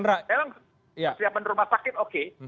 saya memang siap menurut masyarakat oke